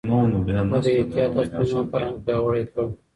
ده د احتياط او سپما فرهنګ پياوړی کړ.